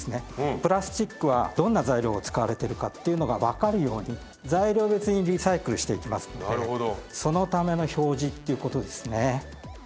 プラスチックはどんな材料が使われてるかっていうのが分かるように材料別にリサイクルしていきますのでそのための表示っていうことですね。